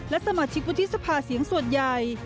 และสมาชิกวุฒิสภาเสียงส่วนใหญ่